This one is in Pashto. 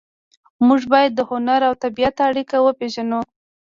موږ باید د هنر او طبیعت اړیکه وپېژنو